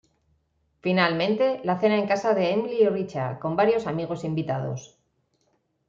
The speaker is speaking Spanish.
Finalmente, la cena en casa de Emily y Richard con varios amigos invitados.